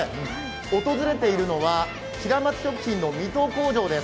訪れているのは平松食品の御津工場です。